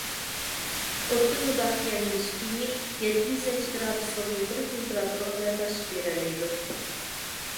ئوتتىن مۇداپىئەلىنىش كىيىمى يەتتە يۈز نەچچە گرادۇسلۇق يۇقىرى تېمپېراتۇرىغا بەرداشلىق بېرەلەيدۇ.